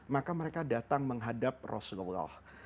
maka mereka datang menghadap rasulullah